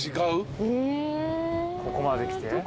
ここまで来て？